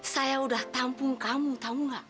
saya udah tampung kamu tamu nggak